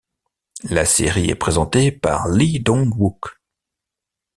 La série est présentée par Lee Dong-wook.